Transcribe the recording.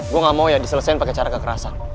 gue gak mau ya diselesain pake cara kekerasan